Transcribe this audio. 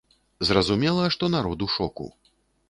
Зразумела, што народ у шоку.